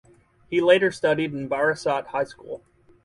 He later studied in Barasat High School.